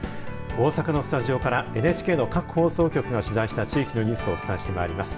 大阪のスタジオからＮＨＫの各放送局が取材した地域のニュースをお伝えしてまいります。